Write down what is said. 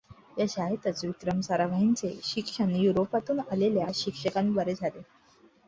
या शाळेतच विक्रम साराभाईचे शिक्षण युरोपातून आलेल्या शिक्षकांद्वारे झाले.